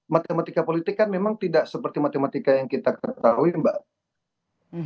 matematika politik kan memang tidak seperti matematika yang kita ketahui mbak